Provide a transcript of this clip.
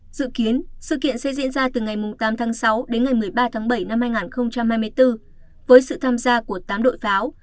dự kiến sự kiện sẽ diễn ra từ ngày tám tháng sáu đến ngày một mươi ba tháng bảy năm hai nghìn hai mươi bốn với sự tham gia của tám đội pháo